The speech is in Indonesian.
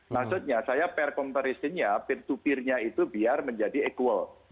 maksudnya saya per comparison nya peer to peernya itu biar menjadi equal